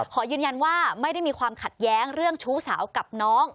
ขอยืนยันว่าไม่ได้มีความขัดแย้งเรื่องชู้สาวกับน้อง